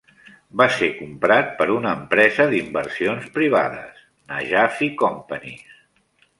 Va ser comprat per una empresa d'inversions privades, Najafi Companies.